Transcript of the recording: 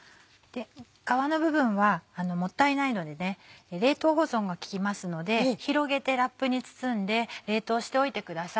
皮の部分はもったいないので冷凍保存が利きますので広げてラップに包んで冷凍しておいてください。